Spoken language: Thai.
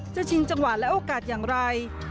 ชิงจังหวะและโอกาสอย่างไร